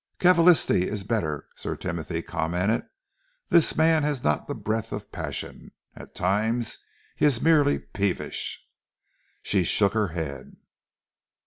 "Cavalisti is better," Sir Timothy commented. "This man has not the breadth of passion. At times he is merely peevish." She shook her head.